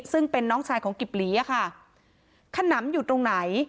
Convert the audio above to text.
ซึ่งเป็นน้องชายของกิบหลีอะค่ะขนำอยู่ตรงไหน